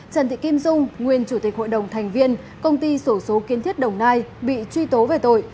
trần thị kim dung nguyên chủ tịch hội đồng thành viên công ty sổ số kiến thiết đồng nai bị truy tố về tội